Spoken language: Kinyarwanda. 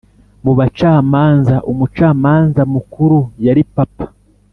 mu bacamanza, umucamanza mukuru yari papa